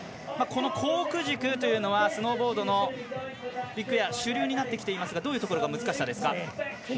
このコーク軸というのはスノーボードのビッグエア主流になってきていますがどういうところが難しさですか？